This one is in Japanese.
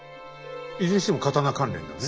いずれにしても刀関連だね。